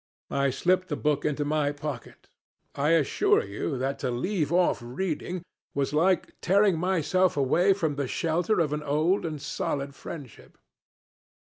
I slipped the book into my pocket. I assure you to leave off reading was like tearing myself away from the shelter of an old and solid friendship.